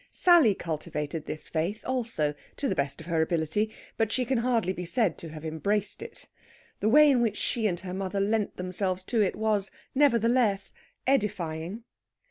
Sally cultivated this faith also, to the best of her ability, but she can hardly be said to have embraced it. The way in which she and her mother lent themselves to it was, nevertheless, edifying.